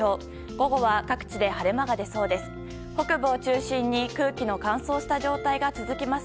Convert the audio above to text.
午後は各地で晴れ間が出そうです。